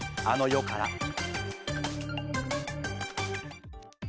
あの世から。